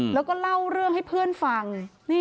แล้วก็เล่าเรื่องให้เพื่อนฟัง